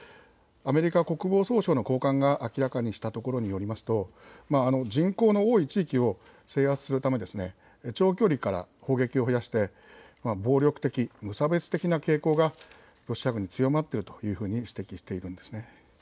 アメリカ国防総省の高官が明らかにしたところによると人口の多い地域を制圧するため長距離から攻撃を増やして暴力的、無差別的な傾向がロシア軍、強まっているというふうに指摘しているんです。